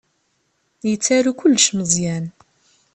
Yettaru kullec Meẓyan.